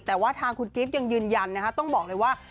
แต่ว่าทางคุณกิฟต์ยังยืนยันนะคะต้องบอกเลยว่า